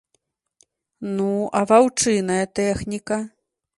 Ну, а ваўчыная тэхніка?